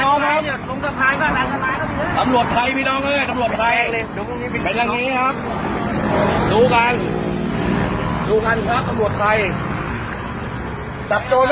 อ่ะวันไม่น้อยนะเป็นเรื่องครับผม